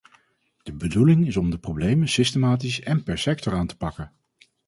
De bedoeling is om de problemen systematisch en per sector aan te pakken.